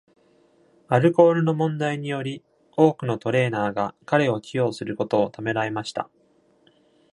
アルコールの問題により、多くのトレーナーが彼を起用することをためらいました。